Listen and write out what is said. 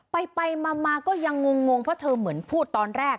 ไปมาก็ยังงงเพราะเธอเหมือนพูดตอนแรก